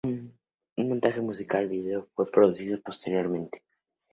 Un montaje musical video fue producido posteriormente.